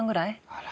あら。